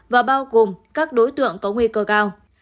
và bao gồm các đối tượng có nguy cơ cao